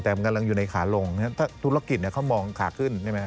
แต่มันกำลังอยู่ในขาลงถ้าธุรกิจเขามองขาขึ้นใช่ไหม